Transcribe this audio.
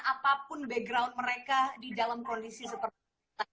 apapun background mereka di dalam kondisi seperti ini